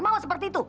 mau seperti itu